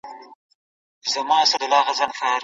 ټولنه که سالمه غذا برابر کړي، د افرادو ژوند ښه کیږي.